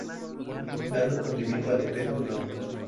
Dando cumplimiento al Decreto No.